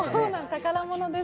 宝物です。